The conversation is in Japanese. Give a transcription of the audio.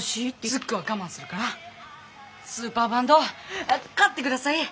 ズックは我慢するからスーパーバンドを買ってください！